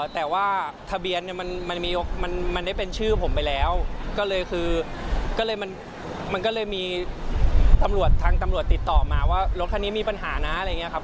แต่ว่าทะเบียนเนี่ยมันได้เป็นชื่อผมไปแล้วก็เลยคือก็เลยมันก็เลยมีตำรวจทางตำรวจติดต่อมาว่ารถคันนี้มีปัญหานะอะไรอย่างนี้ครับ